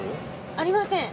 ありません。